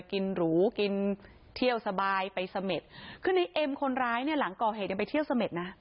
หรูกินเที่ยวสบายไปเสม็ดคือในเอ็มคนร้ายเนี่ยหลังก่อเหตุยังไปเที่ยวเสม็ดนะ